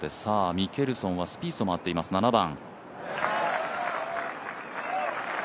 ミケルソンはスピースと回っています、７番。